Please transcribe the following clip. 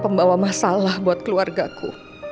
pembawa masalah buat keluarga ku